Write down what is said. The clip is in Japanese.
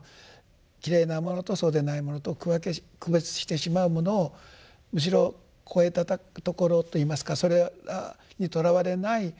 きれいなものとそうでないものと区分け区別してしまうものをむしろ超えたところといいますかそれにとらわれない。